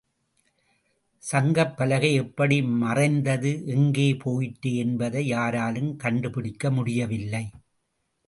சங்கப் பலகை எப்படி மறைந்தது எங்கே போயிற்று என்பதை யாராலும் கண்டுபிடிக்க முடியவில்லை.